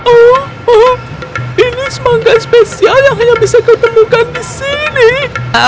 oh ini semangka spesial yang hanya bisa ketemukan di seluruh dunia